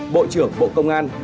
bộ trưởng bộ công an